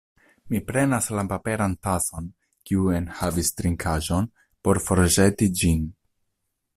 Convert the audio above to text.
Mi prenas la paperan tason, kiu enhavis trinkaĵon, por forĵeti ĝin.